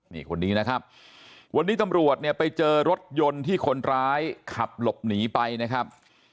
นี่คนนี้นะครับวันนี้ตำรวจเนี่ยไปเจอรถยนต์ที่คนร้ายขับหลบหนีไปนะครับ